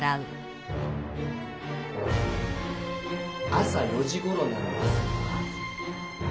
朝４時ごろなんですが。